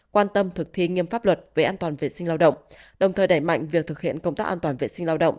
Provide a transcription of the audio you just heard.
quan tâm thực thi nghiêm pháp luật về an toàn vệ sinh lao động đồng thời đẩy mạnh việc thực hiện công tác an toàn vệ sinh lao động